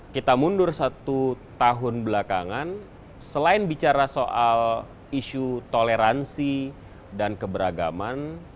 kita mundur satu tahun belakangan selain bicara soal isu toleransi dan keberagaman